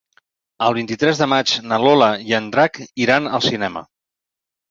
El vint-i-tres de maig na Lola i en Drac iran al cinema.